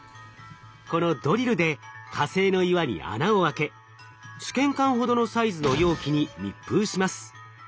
このドリルで火星の岩に穴を開け試験管ほどのサイズの容器に密封します。